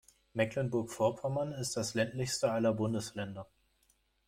Mecklenburg-Vorpommern ist das ländlichste aller Bundesländer.